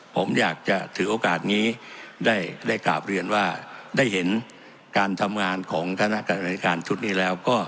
ผมอยากจะถือโอกาสนี้ได้กราบเรียนว่าได้เห็นการทำงานของคณะกรรมการชุดนี้แล้วก็